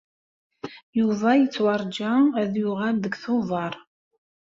Yuba yettwarǧa ad d-yuɣal deg Tubeṛ.